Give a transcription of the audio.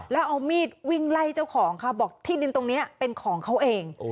แล้วเอามีดวิ่งไล่เจ้าของค่ะบอกที่ดินตรงนี้เป็นของเขาเอง